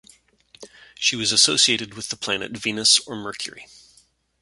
She was associated with the planet Venus or Mercury.